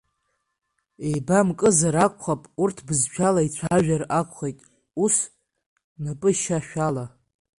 Еибамкызар акәхап, урҭ бызшәла ицәажәар акәхеит, ус напышьашәала.